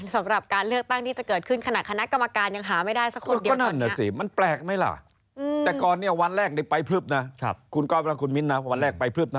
สำหรับการเลือกตั้งที่จะเกิดขึ้น